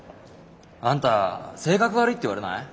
あんた性格悪いって言われない？